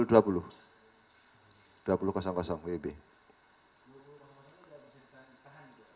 atau dia besok kejalan malam atau besok kejalan